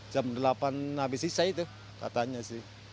jam delapan habis sisa itu katanya sih